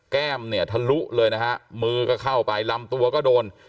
แก้มเนี่ยทะลุเลยนะฮะมือก็เข้าไปลำตัวก็โดน